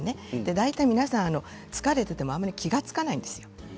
大体、皆さん疲れていても気が付かないんですよ。